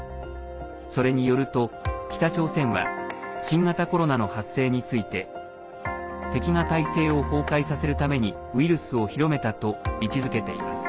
それによると、北朝鮮は新型コロナの発生について「敵が体制を崩壊させるためにウイルスを広めた」と位置づけています。